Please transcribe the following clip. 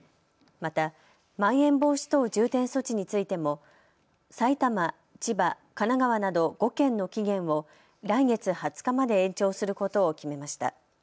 また、まん延防止等重点措置についても埼玉、千葉、神奈川など５県の期限を来月２０日まで延長することを決めました。